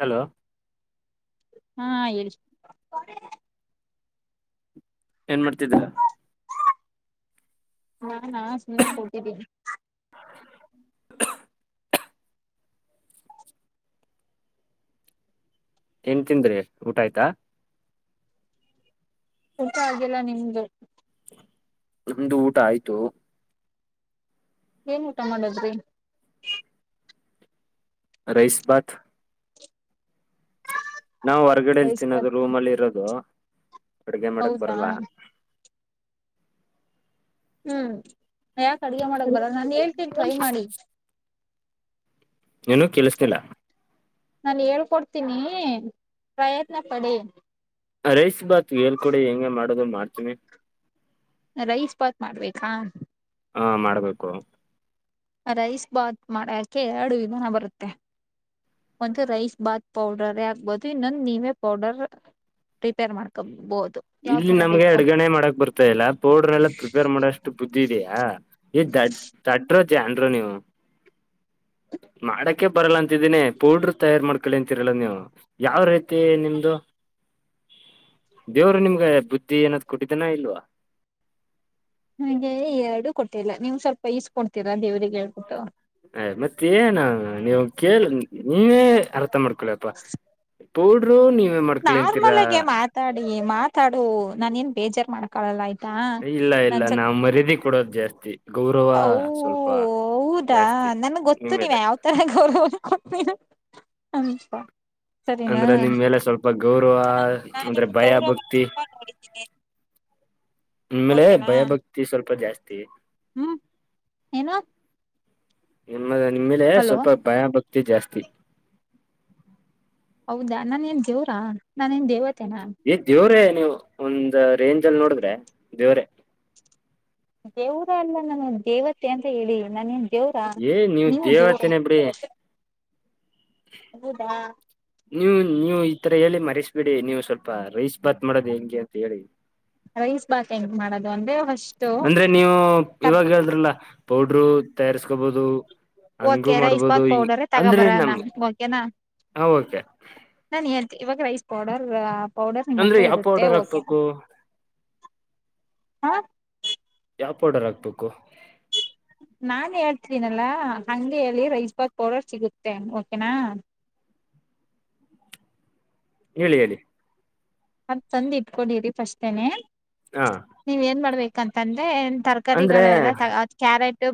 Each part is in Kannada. ಹಲೋ ಹಾ ಹೇಳು ಏನ್ ಮಾಡ್ತಿದೀರಾ. ನಾನಾ ಸುಮ್ನೆ ಕೂತಿದೀನಿ. [inaudible] ಏನ್ ತಿಂದ್ರಿ ಊಟ ಆಯ್ತಾ. ಊಟ ಆಗಿಲ್ಲ ನಿಮ್ದು. ನಿಮ್ಮ್ದು ಊಟ ಆಯ್ತು. ಏನ್ ಊಟ ಮಾಡದ್ರಿ. ರೈಸಬಾತ. ನಾವು ಹೊರಗಡೆಲಿ ರೈಸ್ ತಿನ್ನೋದು ಬಾತ್ ರೂಮ್ ಅಲ್ಲಿ ಇರೋದು ಅಡಗೆ ಮಾಡಕ್ ಹೌದಾ ಬರಲ್ಲ. ಹ್ಮ್ ಯಾಕೆ ಅಡ್ಗೆ ಮಾಡಕ್ ಬರಲ್ಲಾ ನಾನ ಹೇಳ್ತೇನ್ ಟ್ರೈ ಮಾಡಿ. ಏನು ಕೇಳಿಸ್ತಿಲ್ಲ. ನಾನು ಹೇಳ್ಕೊಡ್ತೀನಿ ಪ್ರಯತ್ನ ಪಡಿ. ರೈಸ್ ಬಾತ್ ಹೇಳ್ಕಡಿ ಹೆಂಗೆ ಮಾಡೋದು ಮಾಡ್ತೀನಿ. ರೈಸ್ ಪಾತ್ ಮಾಡ್ಬೇಕಾ. ಹಾ ಮಾಡ್ಬೇಕು. ರೈಸ್ ಬಾತ್ ಮಾಡಕೆ ಎರಡು ವಿಧಾನ ಬರುತ್ತೆ. ಒಂದ ರೈಸ್ ಭಾತ್ ಪೌಡರ್ ಆಗ್ಬಹದು ಇನ್ನೊಂದು ನೀವೇ ಪೌಡರ್. ಪ್ರಿರಿಪೇರ್ ಮಾಡ್ಕೊಬಹದು. ಇಲ್ಲಿ ನಮ್ಗೆ ಅಡ್ಗಣೆ ಮಾಡಕ್ ಬರ್ತಾ ಇಲ್ಲ ಪೌಡರ್ ಎಲ್ಲಾ ಪ್ರಿಪೇರ್ ಮಾಡಷ್ಟು ಬುದ್ಧಿ ಇದಯಾ. ಏ ದಡ್ಡರ್ ಜಾನ್ರ ನೀವು. ಮಾಡಕೆ ಬರಲ್ಲ ಅಂತಿದ್ದೀನಿ ಪೌಡ್ರ ತಯಾರಾರ್ ಮಾಡ್ಕೊಳ್ಳಿ ಅಂತಿರಲ್ಲ ನೀವು. ಯಾವ ರೀತಿ ನಿಮ್ದು. ದೇವರು ನಿಮ್ಗೆ ಬುದ್ಧಿ ಏನಾದ್ ಕೊಟ್ಟಿದ್ದನ ಇಲ್ವಾ. ನಮಗೆ ಎರಡು ಕೊಟ್ಟಿಲ್ಲ ನೀವು್ ಸ್ವಲ್ಪ ಈಸ್ಕೊಡ್ತೀರಾ ದೇವ್ರಿಗೆ ಹೇಳ್ಬಿಟ್ಟು. ಅ ಮತ್ತ ಏನ ನೀವು ಕೇಳ ನೀವೇ ಅರ್ಥ ಮಾಡ್ಕೊಳಪ್ಪ. ಪೌಡ್ರು ನೀವೇ ಮಾಡ್ಕಲಿ ಅಂತೀರಾ. ನಾರ್ಮಲ್ ಆಗೆ ಮಾತಾಡಿ ಮಾತಾಡು ನಾನ ಏನ ಬೇಜಾರ್ ಮಾಡ್ಕಳಲ್ಲ ಆಯ್ತಾ ನನ್ ಜ. ಮರ್ಯಾದಿ ಕೊಡೋದು ಜಾಸ್ತಿ ಗೌರವ ಓ ಸ್ವಲ್ಪ ಹೌದಾ ಜಾಸ್ತಿ ನನ್ಗ್ ಗೊತ್ತು ನೀವ್ ನಿಮ್ಮೇಲೆ. ಯಾವ್ ತರ ಗೌರವ ಕೊಡ್ತಯಿ...... ಅಪ್ಪ. ಅಂದ್ರ ನಿಮ್ ಮೇಲೆ ಸ್ವಲ್ಪ ಗೌರವ ನಾ ಅಂದ್ರ ನಿಮ್ ಭಯ ಗೌರವ ಭಕ್ತಿ. ತುಂಬಾ ನೋಡಿದ್ದೀನಿ ನಿಮ್ಮೇಲೆ ಭಯಭಕ್ತಿ ಸ್ವಲ್ಪ ಜಾಸ್ತಿ. ಹು ಏನು. ನಿಮ್ಮ ನಿಮ್ಮೇಲೆ ಹಲೋ ಸ್ವಲ್ಪ ಭಯಭಕ್ತಿ ಜಾಸ್ತಿ. ಹೌದಾ ನಾನ ಏನ್ ದೇವ್ರಾ ನಾನೇನ್ ದೇವತೆೇನಾ. ಈ ದೇವ್ರೇ ನೀವು ಒಂದ ರೇಂಜ್ ಅಲ್ಲಿ ನೋಡಿದ್ರೆ ದೇವ್ರೇ ದೇವರ ಅಲ್ಲ ನಾನ್ ದೇವತೆ ಅಂತ ಹೇಳಿ ನಾನೇನ್ ದೇವರಾ ಏ ನೀವು ದೇವರ ದೇವತೆನೆ ಬಿಡಿ ಹೌದಾ ನೀವು ನೀವು ಈತರ ಹೇಳಿ ಮರಸ್ಬಿಡಿ ನೀವು ಸ್ವಲ್ಪ ರೈಸ್ ಭಾತ್ ಮಾಡೋದು ಹೆಂಗೆ ಅಂತ ಹೇಳಿ. ರೈಸ್ ಬಾತ್ ಹೆಂಗ್ ಮಾಡೋದು ಅಂದ್ರೆ ಹೊಷ್ಟ. ಅಂದ್ರೆ ನೀವು ಇವಾಗ ಹೇಳಿದ್ರಲ್ಲ ಪೌಡ್ರು ತಯಾರಿಸ್ಕೊಬೋದು. ಹಂಗು ಓಕೆ ರೈಸ್ ಮಾಡ್ಬೋದು ಬಾತ್ ಹಿಂಗ ಪೌಡರೇ ಅಂದ್ರ ತಗೋಬರೋಣ ನಮ್ ಓಕೆನಾ ಹ ಓಕೆ ನಾನ್ ಇವಾಗ ರೈಸ್ ಪೌಡರ್ ಪೌಡರ್ ನಿಮ್ಮ ಅಂದ್ರೆ ಹತ್ರ ಯಾವ ಇರುತ್ತೆ ಪೌಡರ್ ಓಕೆ ಹಾಕ್ಬೇಕು ಹ ಯಾವ್ ಪೌಡರ್ ಹಾಕ್ಬೇಕು. ನಾನ್ ಹೇಳ್ತೀದಿನಲ್ಲಾ ಹಂಗೆ ಹೇಳಿ ರೈಸ್ ಭಾತ್ ಪೌಡರ್ ಸಿಗುತ್ತೆ ಓಕೆನಾ ಹೇಳಿ ಹೇಳಿ ಅದ ತಂದ್ ಇಟ್ಕೊಂಡಿರಿ ಫಸ್ಟೇನೆ. ಹಾ ನೀವ್ ಏನ್ ಮಾಡಬೇಕ ಅಂತಂದ್ರೆ ಏನ್ ತರ. ಅಂದ್ರೆ ತರ್ಕಾರಿಗಳೆಲ್ಲ ತಗ ಅದ ಕ್ಯಾರೆಟ್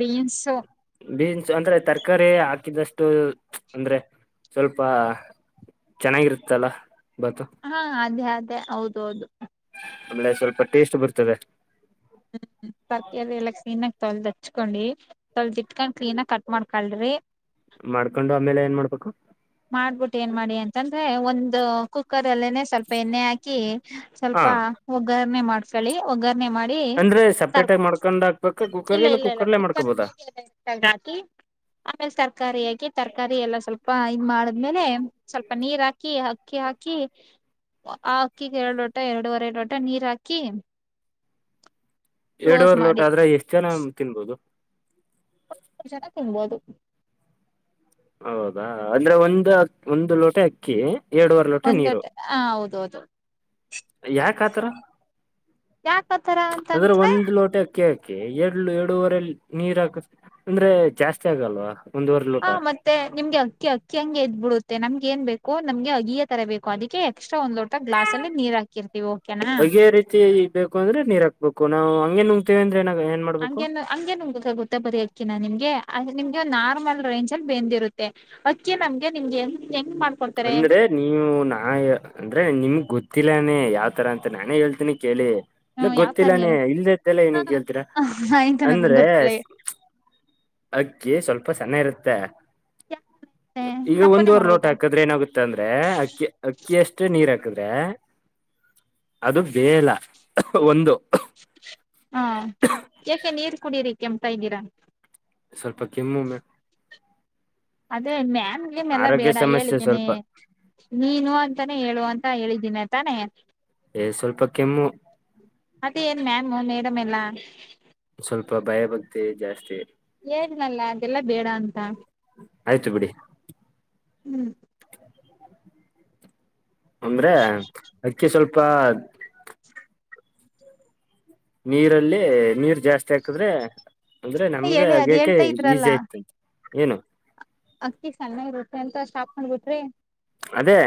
ಬೀನ್ಸು. ‌ ಬೀನ್ಸ್ ಅಂದ್ರೆ ತರಕಾರಿ ಹಾಕಿದಷ್ಟು ಅಂದ್ರೆ ಸ್ವಲ್ಪ ಚೆನ್ನಾಗಿರುತ್ತಲ್ಲ ಬಾತು. ಹಾ ಅದೇ ಅದೇ ಹೌದ ಹೌದು. ಆಮೇಲೆ ಸ್ವಲ್ಪ ಟೇಸ್ಟ ಬರ್ತದೆ. ಹುಂ ತರಕಾರಿ ಎಲ್ಲಾ ಕ್ಲೀನಾಗಿ ತೋಳಿದ ಹೆಚ್ಚಕೊಳ್ಳಿ. ತೊಳೆದು ಇಟ್ಕೊಂಡ್ ಕ್ಲೀನ್ ಆಗಿ ಕಟ್ ಮಾಡ್ಕಳ್ರಿ. ಮಾಡ್ಕೊಂಡು ಆಮೇಲೆ ಏನ್ ಮಾಡ್ಬೇಕು. ಮಾಡಬುಟ್ಟ ಏನ್ ಮಾಡಿ ಅಂತಂದ್ರೆ ಒಂದು ಕುಕ್ಕರ್ ಅಲ್ಲೇನೆ ಸ್ವಲ್ಪ ಎಣ್ಣೆ ಹಾಕಿ ಹಾ ಸ್ವಲ್ಪ ಒಗ್ಗರಣೆ ಮಾಡ. ಕಳಿ ಒಗ್ಗರಣೆ ಮಾಡಿ ಅಂದ್ರೆ [unintelligible] ಸಪ್ರೇಟ್ ತರ್ಕೊ ಆಗಿ ಮಾಡ್ಕೊಂಡ್ ಹಾಕ್ಬೇಕ ಇಲ್ಲ ಕುಕ್ಕರ್ಗೆ ಇಲ್ಲ ಇಲ್ಲ ಕುಕ್ಕರ್ಲೆೇ ಕುಕ್ಕರ್ ಮಾಡ್ಕೋಬೋದಾ [unintelligible] ಹಾಕಿ ಆಮೇಲೆ ತರಕಾರಿ ಹಾಕಿ ತರಕಾರಿ ಎಲ್ಲ ಸ್ವಲ್ಪ ಇದ ಮಾಡ ಬೆದ್ಮೇಲೆ ಸ್ವಲ್ಪ ನೀರ್ ಹಾಕಿ ಅಕ್ಕಿ ಹಾಕಿ. ಅಕ್ಕಿಗೆ ಎರಡು ಲೋಟ ಎರಡೂವರೆ ಲೋಟ ನೀರ್ ಹಾಕಿ ಕ್ಲೋಸ್ ಎರಡವರ್ ಲೋಟ ಮಾಡಿ ಆದ್ರೆ ಎಷ್ಟು ಜನ ತಿನ್ಬೋದು. ಇಪ್ಪತ್ತ ಜನ ತಿನ್ನಬಹದು ಹೌದಾ ಅಂದ್ರೆ ಒಂದು ಅ ಒಂದು ಲೋಟ ಅಕ್ಕಿ ಎರಡೂವರೆ ಒಂದ ನೀರು ಲೋಟ ನಾ ಹ ಹೌದ ಹೌದು ಯಾಕ ಆತರ ಯಾಕತರ ಅದ್ರ ಅಂತಂದ್ರೆ ಒಂದ್ ಲೋಟ ಅಕೆ ಅಕೆ ಎರಡ್ ಎರಡೂವರೆ ನೀರ್ ಹಾಕ ಅಂದ್ರೆ ಜಾಸ್ತಿ ಆಗಲ್ವಾ. ಒಂದೂವರೆ ಹ ಲೋಟ ಮತ್ತೆ ಮತ್ತೆ ನಿಮ್ಗೆ ಅಕ್ಕಿ ಅಕ್ಕಿ ಹಂಗೆ ಎದ್ಬ ಬಿಡುತ್ತೆ ನಮ್ಗೆ ನ್ ಬೇಕು ನಮಗೆ ಅಗಿಯ ತರ ಬೇಕ ಅದಕ್ಕೆ ಎಕ್ಸ್ಟ್ರಾ ಒಂದ್ ಲೋಟ ಗ್ಲಾಸ್ ಅಲ್ಲಿ ನೀರ್ ಹಾಕಿರ್ತೀವಿ ಓಕೆನಾ ಅಗೆಯ ರೀತಿ ಬೇಕು ಅಂದ್ರೆ ನೀರ್ ಹಾಕ್ಬೇಕು ನಾವು ಹಂಗೇನ್ ನುಂಗತಿವಿ ಅಂದ್ರೆ ನಾವೇನ್ ಹಂಗೇನು ಹಂಗೆನು ಗ ಗೊತ್ತಾ ಬರಿ ಅಕ್ಕಿನ ನಿಮ್ಗೆ ನಿಮ್ಗೆ ನಾರ್ಮಲ್ ರೇಂಜ ಅಲ್ಲಿ ಬೆಂದಿರುತ್ತೆ. ಅಕ್ಕಿ ನಮ್ಗೆ ನಿಮ್ಗೆ ಹೆಂಗ್ ಮಾಡ ಅಂದ್ರೆ ನೀವು ನಾ ಅಂದ್ರೆ ನಿಮ್ ಗೊತ್ತಿಲ್ಲಾನೇ ಯಾವ್ತರ ಅಂತ ನಾನೇ ಹೇಳ್ತೀನಿ ಕೇಳಿ ಇಲ್ಲ ಹ್ಮ ಯಾವ್ ತರ ಗೊತ್ತಿಲ್ಲಾನೇ ಹೇಳಿ ಇಲ್ದ ಇರ್ತಲ್ಲ ಏನಿಂಗ ಕೇಳ್ತೀರಾ ಹ ಇಂತ ನನ್ ಅಂದ್ರೆ ಗೊತ್ತಿಲ್ಲ ಅಕ್ಕಿ ಸ್ವಲ್ಪ ಸಣ್ಣ ಇರುತ್ತೆ ಯಾಕೆ ಈಗ ತಪ್ಪನೇ ಒಂದುವರೆ ಲೋಟ ಮಾಡ್ಬೋದರ ಹಾಕ್ ಅ ಏನಾಗುತ್ತ ಅಂದ್ರೆ ಅಕ್ಕಿ ಅಕ್ಕಿ ಅಷ್ಟೇ ನೀರ್ ಹಾಕದ್ರೆ ಅದು ಬೇಯಲ್ಲ ಒಂದು ಹಾ ಯಾಕೆ ನೀರ್ ಕುಡೀರಿ ಕೆಮ್ತ್ ಇದೀರಾ ಸ್ವಲ್ಪ ಕೆಮ್ಮು ಮಾಮ್ ಅದೇ ಮಾಮ್ ಗಿಮ್ಮಿ ಎಲ್ಲ ಆರೋಗ್ಯ ಬೇಡ ಸಮಸ್ಯೆ ಹೇಳಿದ್ದೀನಿ ಸ್ವಲ್ಪ ನೀನು ಅಂತಾನೇ ಹೇಳುವ ಅಂತ ಹೇಳಿದ್ದೀನಿ ತಾನೆ ಏ್ ಸ್ವಲ್ಪ ಕೆಮ್ಮು ಮತ್ತೆ ಏನ್ ಮಾಮ್ ಮೇಡಂ ಎಲ್ಲ ಸ್ವಲ್ಪ ಭಯ ಭಕ್ತಿ ಜಾಸ್ತಿ ಹೇಳ್ಲಲ್ಲ ಅದೆಲ್ಲ ಬೇಡ ಅಂತ ಆಯ್ತು ಬಿಡಿ ಹೂ [unintelligible] ಅಂದ್ರೆ ಅಕ್ಕಿ ಸ್ವಲ್ಪ ನೀರಲ್ಲಿ ನೀರ್ ಜಾಸ್ತಿ ಹಾಕದ್ರೆ ಅಂದ್ರೆ ನಮ್ಗೆ ಹೇಳಿ ಅದ್ ಅಗ್ಯಕೆ ಹೇಳ್ತಾ ಇದ್ರಲ್ಲ ಈಸಿ ಆಯತಂತೆ ಏನು ಅಕ್ಕಿ ಸಣ್ಣ ಇರುತ್ತೆ ಅಂತ ಸ್ಟಾಪ್ಕೊಂಡ್ ಬಿಟ್ರಿ ಅದೇ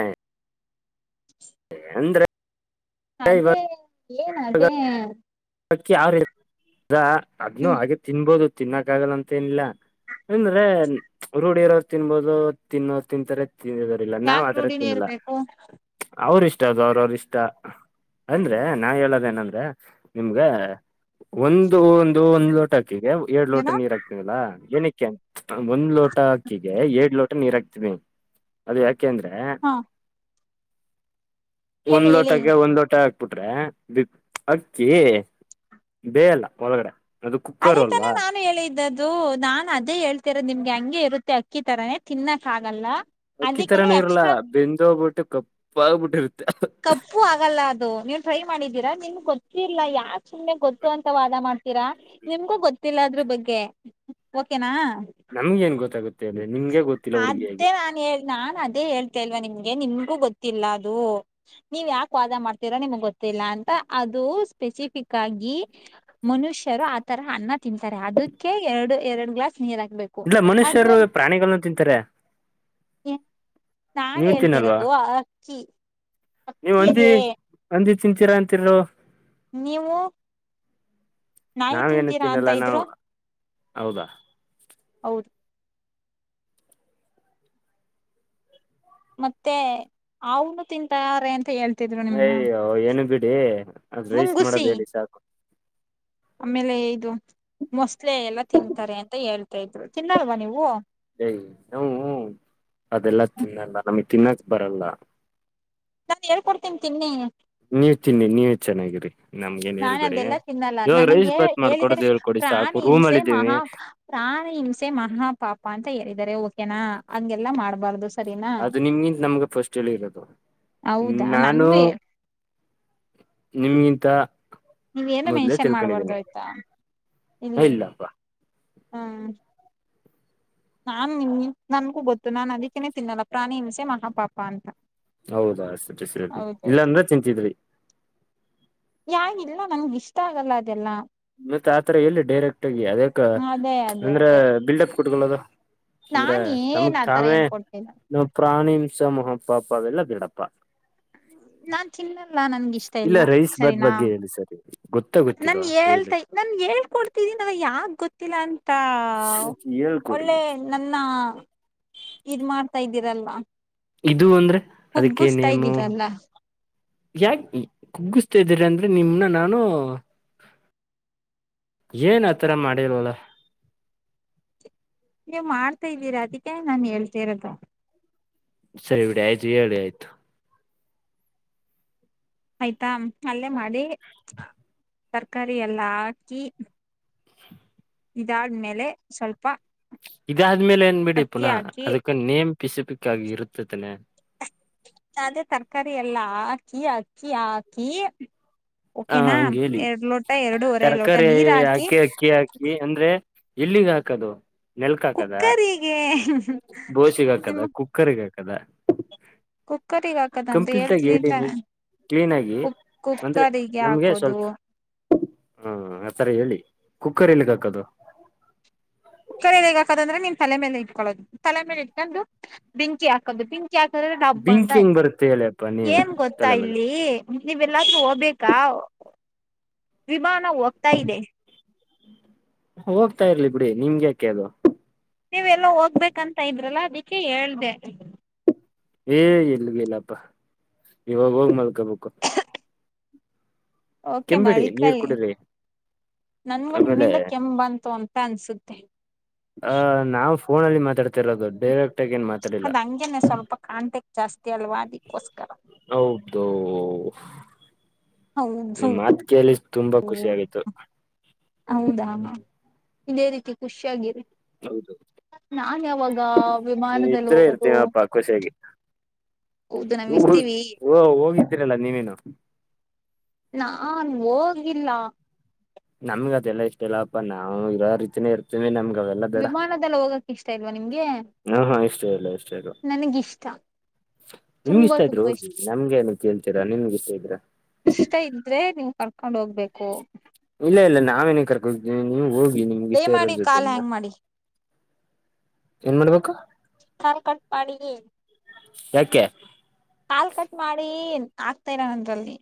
ಹ ಅಂದ್ರೆ ಅದೇ ಇವಾಗ ಏನ್ ಅದೇ ಕಿ ಯಾವ್ರ ಅದ್ನು ಹ್ಮ್ ಹಾಗೆ ತಿನ್ಬೋದು ತಿನ್ನಕ್ಕ ಆಗಲ್ಲ ಅಂತ ಏನಿಲ್ಲ ಅಂದ್ರೆ ರೂಢಿ ಇರೋರು ತಿನ್ಬೋದು ತಿನ್ನೋ ತಿಂತಾರೆ ತಿ ಲ್ಲ ನಾವು್ ಯಾಕ ಆದರ ರೂಢಿನೇ ತಿನ್ನಲ್ಲ ಇರ್ಬೇಕು ಅವ್ರ ಇಷ್ಟ ಅದು ಅವ್ರ ಅವ್ರ ಇಷ್ಟ ಅಂದ್ರೆ ನಾ ಹೇಳದೇನಂದ್ರೆ ನಿಮ್ಗೆ ಒಂದು ಒಂದು ಒಂದು ಲೋಟ ಹಾಕಿಗೆ ಎರೆಡು ಲೋಟ ಏನೋ ನೀರ್ ಹಾಕ್ತವಲ್ಲ ಏನ ಒಂದ್ ಲೋಟ ಅಕ್ಕಿಗೆ ಎಲ್ಡ್ ಲೋಟ ನೀರ್ ಹಾಕ್ತವಿ ಅದು ಯಾಕೆ ಅಂದ್ರೆ ಹಾ ಒಂದ್ ಹೇಳಿ ಹೇಳಿ ಲೋಟಕ್ಕೆ ಒಂದಂದು ಲೋಟ ಬುಟ್ರೆ ಅಕ್ಕಿ ಬೇಯಲ್ಲ ಎಲ್ಲ ಒಳಗಡೆ ಅದು ಕುಕ್ಕರ್ ಅದೇ ತಾನೇ ಅಲ್ವಾ ನಾನು ಹೇಳಿದ್ದದ್ದು ದು ನಾನ್ ಅದೇ ಹೇಳ್ತಿರೋದು ನಿಮ್ಗೆ ಹಂಗೆ ಇರುತ್ತೆ ಅಕ್ಕಿ ತರಾನೇ ತಿನ್ನಕ್ ಆಾಗಲ್ಲ ಅಕ್ಕಿ ತರನೂ ಇರಲ್ಲಾ ಬೆಂದ ಹೋಗ್ಬಿಟ್ಟು ಕಪ್ಪ ಆಾಗಬಿಟ್ಟಿರುತ್ತೆ ಕಪ್ಪು ಆಗಲ್ಲ ಅದು ನೀವು ಟ್ರೈ ಮಾಡಿದ್ದೀರಾ ನಿಮ ಗೊತ್ತಿಿಲ್ಲ ಯಾಕ್ ಸುಮ್ನೆ ಗೊತ್ತು ಅಂತ ವಾದ ಮಾಡ್ತೀರಾ ನಿಮಗೂ ಗೊತ್ತಿಲ್ಲದ್ರ ಬಗ್ಗೆ ಓಕೆನಾ ನಮ್ಗೆ ಏನ್ ಗೊತ್ತಾಗುತ್ತೆ ಅ್ರ ನಿಮ್ಗೆ ಗೊ ಅದೇ ನಾನ್ ಹೇಳ ನಾನ್ ಅದೇ ಹೇಳ್ತೇಲ್ವಾ ನಿಮ್ಗೆ ನಿಮ್ಗೂ ಗೊತ್ತಿಲ್ಲ ಅದು ನೀವ್ ಯಾಕೆ ವಾದ ಮಾಡ್ತೀರಾ ನಿಮ್ಗ್ ಗೊತ್ತಿಲ್ಲ ಅಂತ ಅದು ಸ್ಪೆಸಿಫಿಕ್ ಆಗಿ ಮನುಷ್ಯರು ಆತರ ಅನ್ನ ತಿಂತಾರೆ ಅದಕ್ಕೆ ಎರಡು ಎರಡು ಗ್ಲಾಸ್ ನೀರ್ ಹಾಕ್ಬೇಕು ಇಲ್ಲ ಅದು ಮನುಷ್ಯರು ಪ್ರಾಣಿಗಳಗಳನ್ನು ತಿಂತಾರೆ ನಾನ್ ನೀವ್ ತಿನ್ನಲ್ವಾ ಹೇಳ್ತಿರೋದು ಅಕ್ಕಿ ನೀವ್ ಹಂದಿ ಅಕ್ಕಿಗೆ ಹಂದಿ ತಿಂತೀರಾ ಅಂತರರು ನೀವು ನಾಯಿ ನಾವೇನು ತಿಂತೀರಾ ತಿನ್ನಲ್ಲ ಅಂತ ನಾವು ಇದ್ರು ಹೌದಾ ಹೌದು [inaudible] ಮತ್ತೆ ಅವನು ತಿಂತಾರೆ ಅಂತ ಹೇಳ್ತಿ ಅಯ್ಯೋ ಏನು ಬಿಡಿ ಅದ ರೈಸ್ ಮುಂಗುಸಿ ಮಾಡೋದ ಹೇಳಿ ಸಾಕು ಆಮೇಲೆ ಇದು ಮೊಸಳ ಎಲ್ಲ ತಿಂತಾರೆ ಅಂತ ಹೇಳ್ತಾ ಇದ್ರು ತಿನ್ನಲ್ವಾ ನೀವು ಯೆ ಹೂ ಹೂ ಅದೆಲ್ಲ ತಿನ್ನಲ್ಲ ನಮಗ್ ತಿನ್ನಕ್ ಬರಲ್ಲ ನಾನ್ ಹೇಳ್ಕೊಡ್ತೀನಿ ತಿನ್ನಿ ನೀವ ತಿನ್ನಿ ನೀವ ಚೆನ್ನಾಗಿರಿ ನಮ್ಗ ನ್ ನಾನ್ ಹೇಳ್ಬೇಡಿ ಅದೆಲ್ಲಾ ತಿನ್ನಲ್ಲ ಇವಾಗ ರೈಸ್ ನನಗೆ ಬತ್ ಹೇಳಿದರೆ ಮಾಡ್ಕೊಡೋದು ಹೇಳ್ಕೊಡಿ ಪ್ರಾಣಿ ಸಾಕು ರೂಮ್ ಹಿಂಸೆ ಅಲ್ಲಿಿದ್ದೀವಿ ಮಹಾ ಪ್ರಾಣಿ ಹಿಂಸೆ ಮಹಾ ಪಾಪ ಅಂತ ಹೇಳಿದ್ದಾರೆ ಓಕೆನಾ ಹಂಗೆಲ್ಲಾ ಮಾಡ್ಬಾರ್ದು ಸರಿನಾ ಅದು ನಿಮಗಿಂತ ನಮ್ಗೆ ಫಸ್ಟ್ಲ್ಲಿ ಇರೋದು ಹೌದಾ ನಾನು ನನ್ಗೆ ನಾನು ನಿಮ್ಗಿಂತ ನೀವ ಏನ ಮೊದ್ಲೇ ಮೆನ್ಷನ್ ಮಾಡ್ಬಾರ್ದು ತಿಳ್ಕೊಂಡಿದ್ದೀನಿ ಆಯ್ತಾ ಇಲ್ಲಿ ಇಲ್ಲಪ್ಪಾ ಹಾ ನಾನ್ ನಿ ನನ್ಗೂ ಗೊತ್ತು ನಾನ್ ಅದಕ್ಕನೆೇ ತಿನ್ನಲ್ಲ ಪ್ರಾಣಿ ಹನ್ಸೆ ಮಹಾಪಾಪ ಅಂತ ಹೌದಾಷ್ಟ ಸಿರತಿ ಇಲ್ಲಾ ಹೌದೌದು ಅಂದ್ರೆ ತಿಂತಿದ್ರಿ ಯಾಲ್ಲ ನನ್ಗೆ ಇಷ್ಟ ಆಗಲ್ಲ ಅದೆಲ್ಲಾ ಮತ್ತೆ ಆತರ ಎಲ್ಲಿ ಡೈರೆಕ್ಟ್ ಆಗಿ ಅದಕ್ಕ ಅದೇ ಅದೇ ಅಂದ್ರ ಅದೇ ಬಿಲ್ಡಪ್ ಕೊಟ್ಗಲ್ಲದು ಅಂದ್ರೆ ನಾನ್ ಏನ್ ತಮಗ್ ಆತರ ತಾಮೇ ಏನ್ ಕೊಡ್ತೀನ ನ ಪ್ರಾಣಿ ಹಂಸ ಮಹಪಪ ಅವೆಲ್ಲಾ ಬಿೇಡಪ್ಪ ಹ ನಾನ್ ತಿನ್ನಲ್ಲ ನನ್ಗ ಇಷ್ಟ ಇಲ್ಲ ರೈಸ್ ಬಾತ್ ಸರಿನಾ ಬಗ್ಗೆ ಹೇಳಿ ಸರ್ ಗೊತ್ತಾ ನನ್ ಗೊತ್ತಿಲ್ವಾ ಹೇಳಿ ಹೇಳ್ತೈ ನನ್ ಹೇಳ್ಕೊಡ್ತಿದ್ದಿ ನನ ಯಾಾಗ ಗೊತ್ತಿಲ್ಲ ಅಂತ ಹೇಳ್ಕೊಡಿ ಒಳ್ಳೆ ನನ್ನ ಇದ ಮಾಡ್ತಾ ಇದ್ದೀರಲ್ಲ ಇದು ಅಂದ್ರೆ ಅದಕ್ಕೆ ಕುಗ್ಗಿಸ್ತಾ ನೇಮ ಇದ್ದೀರಲ್ಲ ಯಾಕ ಕುಗ್ಗಿಸ್ತಾ ಇದ್ದೀರಿ ಅಂದ್ರೆ ನಿಮನ್ನ ನಾನು ಏನ್ ಆತರ ಮಾಡಿಲ್ವಲ್ಲ ನೀವು ಮಾಡ್ತಾ ಇದ್ದೀರಾ ಅದಕ್ಕೆ ನಾನನ್ ಹೇಳ್ತ ಇರೋದು ಸರಿ ಇಡ ಆಯ್ತು ಹೇಳಿ ಆಯ್ತು ಆಯ್ತಾ ಅಲ್ಲೇ ಮಾಡಿ ತರಕಾರಾರಿ ಎಲ್ಲಾ ಹಾಕಿ ಇದಾದ್ಮೇಲೆ ಸ್ವಲ್ಪ ಇದಾದ್ಮೇಲೆ ಏನ್ ಬಿಡಿ ಅಕ್ಕಿ ಪುನಃ ಹಾಕಿ ಅದಕ್ಕ ನೇಮ್ ಪಿಸಪಿಕ್ಾಗಿ ಇರುತತನನೆ ಅದೇ ತರಕಾರಿ ಎಲ್ಲಾ ಹಾಕಿ ಅಕ್ಕಿ ಹಾಕಿ ಹ ಓಕೆನಾ ಹಂಗ ಹೇಳಿ ಎರಡ್ ಲೋಟ ಎರಡುವರೆ ಲೋಟ ತರಕಾರಿ ನೀರ್ ಹಾಕಿ ಅಕ್ಕಿ ಅಂದ್ರೆ ಎಲ್ಲಿಗೆ ಹಾಕದು ನೆಲ್ಕ್ ಹಾಕದ ಕುಕ್ಕರಿಗೆ ಬೋಸಗ ಹಾಕದ ನಿಮ್ಮ ಕುಕ್ಕರ್ಗ ಹಾಕದ ಕುಕ್ಕರಿಗೆ ಹಾಕದಂತ ಕಂಪ್ಲೀಟ್ ಆಗಿ ಹೇಳ್ತಿದೀನಿ ಹೇಳನಿ ತಾನೆ ಕ್ಲೀನ್ ಆಗಿ ಕುಕ್ ಅಂದ್ರೆ ಕುಕ್ಕರಿಗೆ ನಮ್ಗೆ ಹಾಕೋದು ಸ್ವಲ್ಪ ಹಾ ಆತರ ಹೇಳಿ ಕುಕ್ಕರ್ ಎಲ್ಲಿಗೆ ಹಾಕದು ಸಕ್ಕರೆ ಹೇ ಹಾಕದಂದ್ರೆ ನೀವು ತಲೆ ಮೇಲೆ ಇಟ್ಕೊಳ್ಳೋದು ತಲೆ ಮೇಲೆ ಇಟ್ಕೊಂಡು ಬೆಂಕಿ ಹಾಕೋದು ಬೆಂಕಿ ಯ್ಯಾಕ ಡಬ್ಬ ಅಂತ ಬೆಂಕಿ ಹೆಂಗ್ ಆಯ್ತು ಬರುತ್ತೆ ಹೇಳಪ್ಪಾ ನೀವ್ ಏನ್ ಗೊತ್ತಾ ತಲೆ ಮೇಲೆ ಇಲ್ಲಿ ನೀವೆಲ್ಲಾದ್ರೂ ಹೋಗ್ಬೇಕಾ ವಿಭಹಾನ ಹೋಗ್ತಾ ಇದೆ ಹೋಗ್ತಾ ಇರ್ಲಿ ಬಿಡಿ ನಿಮ್ಗೆ ಯಾಕೆ ಅದು ನೀವ ಎಲ್ಲ ಹೋಗ್ಬೇಕಂತ ಇದ್ರಲ್ಲ ಅದಕ್ಕೆ ಹೇಳ್ದ ಏ ಎಲ್ಗ ಇಲ್ಲಪ್ಪ ಇವಾಗ ಹೋಗ್ ಮಲ್ಕೊಬೇಕು ಓಕೆ ಕೆಂಬಿಡಿ ಮಲ್ಕಳ ನೀರ್ ಕುಡೀರಿ ನನ್ಗೂ ಆಮೇಲೆ ನಿಮ್ಮಿಂದ ಕೆಮ್ ಬಂತು ಅಂತ ಅನ್ಸುತ್ತೆ ಅಹ ನಾವು ಫೋನ ಅಲ್ಲಿ ಮಾತಾಡ್ತಿರೋದು ಡೈರೆಕ್ಟ್ ಆಗಿ ಏನ್ ಮಾತಾಡಿಲ್ಲ ಅದ್ ಹಂಗಗೆೇನೆ ಸ್ವಲ್ಪ ಕಾಂಟೆಕ್ಟ್ ಜಾಸ್ತಿ ಅಲ್ವಾ ಅದಕ್ಕೋಸ್ಕರ ಹೌದು ಊ ಹೌದು ನಿಮ್ಮ್ ಮಾತಿಕೇಳಿ ತುಂಬಾ ಖುಷಿ ಆಯ್ತು. ಹೌದಾ ಇದೇ ರೀತಿ ಖುಷಿಯಾಗಿರಿ. ಹೌದು ನಾನ್ ಯಾವಾಗ ನೀವ್ ವಿಮಾನದಲ್ಲಿ ಇದ್ರೆ ಹೋಗದು ಇರ್ತೀನಪ್ಪಾ ಖುಷಿಯಾಗಿ ಹೌದು ನಾವ್ ಇರ್ತೀವಿ ಓ ಹೋಗಿದ್ದೀರಲ್ಲ ನೀವೇನು ನಾನ್ ಹೋಗಿಲ್ಲ ನಮ್ಗ್ ಅದೆಲ್ಲ ಇಷ್ಟ ಇಲ್ಲ ಅಪ್ಪಾ ನಾವು ಇರೋ ರೀತಿನೇ ಇರ್ ಸರಿ ನಮ್ಗ್ ಅವೆಲ್ಲ ಬೇಡ ವಿಮಾನದಲ್ಲ್ ಹೋಗಕ್ ಇಷ್ಟ ಇಲ್ವಾ ನಿಮ್ಗೆ. ಹಾ ಹಾ ಇಷ್ಟ ಇಲ್ಲ ಇಷ್ಟ ಇಲ್ಲ. ನನಿಗ್ ಇಷ್ಟ. ನಿಮ್ಗ್ ತುಂಬಾ ಇಷ್ಟ ಇದ್ರ ತುಂಬಾ ಹೋಗಿ ನಮ್ಗ್ ಏನಕ್ ಕೇಳ್ತಿರಾ ನಿಮ್ಗ್ ಇಷ್ಟ ಇದ್ರೆ. ಇಷ್ಟ ಇದ್ರೆ ನಿಮ್ಗ್ ಕರ್ಕೊಂಡ್ ಹೋಗ್ಬೇಕು. ಇಲ್ಲ ಇಲ್ಲ ನಾವೇನ್ ಕರ್ಕ ಹೋಗೀವಿ ನೀವ್ ಹೋಗಿ ನಿಮ್ ದಯ ಮಾಡಿ ಕಾಲ್ ಹ್ಯಾಂಗ್ ಮಾಡಿ. ಏನ್ ಮಾಡ್ಬೇಕು ಕಾಲ್ ಕಟ್ ಮಾಡಿ ಯಾಕೆ ಕಾಲ್ ಕಟ್ ಮಾಡಿ ಆಗ್ತಾ ಇಲಾ ನಂದ್ರಲ್ಲಿ.